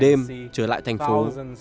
đem bầu trời đêm trở lại thành phố